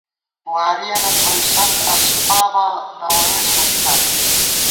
وارِیَنہ تھوئیسَنت اسپاباں ، نہ ووئیس فَبِکاں کی